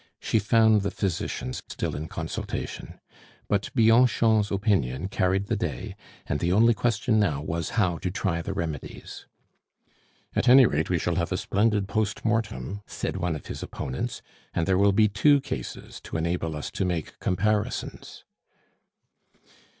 She found the physicians still in consultation. But Bianchon's opinion carried the day, and the only question now was how to try the remedies. "At any rate, we shall have a splendid post mortem," said one of his opponents, "and there will be two cases to enable us to make comparisons."